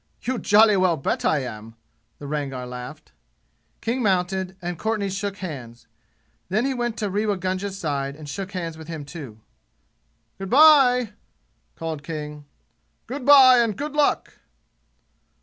"You jolly well bet I am!" the Rangar laughed. King mounted, and Courtenay shook hands; then he went to Rewa Gunga's side and shook hands with him, too. "Good by!" called King. "Good by and good luck!"